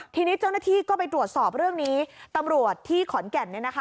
ทีนี้เจ้าหน้าที่ก็ไปตรวจสอบเรื่องนี้ตำรวจที่ขอนแก่น